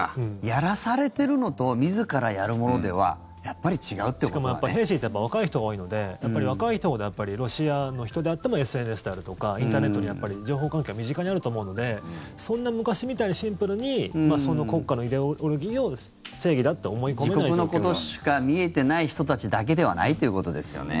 やらされてるのと自らやるものではしかも、兵士って若い人が多いのでやっぱり若い人ほどロシアの人であってもＳＮＳであるとかインターネット情報環境は身近にあると思うのでそんな昔みたいにシンプルに国家のイデオロギーを自国のことしか見えてない人たちだけではないということですよね。